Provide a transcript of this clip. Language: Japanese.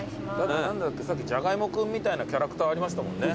さっきジャガイモ君みたいなキャラクターありましたもんね。